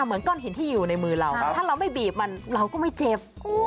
เหมือนก้อนหินที่อยู่ในมือเราถ้าเราไม่บีบมันเราก็ไม่เจ็บ